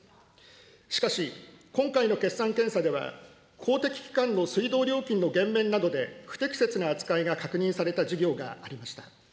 しかし、今回の決算検査では、公的機関の水道料金の減免などで不適切な扱いが確認された事業がありました。